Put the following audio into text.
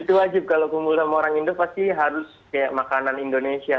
itu wajib kalau kumpul sama orang indo pasti harus kayak makanan indonesia